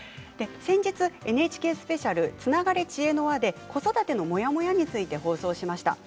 先日、ＮＨＫスペシャル「つながれ！チエノワ」で子育てのモヤモヤについて放送しました。